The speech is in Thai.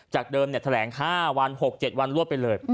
เดิมแถลง๕วัน๖๗วันรวดไปเลย